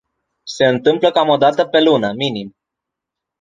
Se întâmplă cam o dată pe lună, minim.